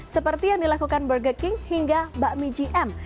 seperti yang dilakukan burge king hingga bakmi gm